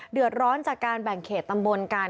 เดือดร้อนจากการแบ่งเขตตำบลกัน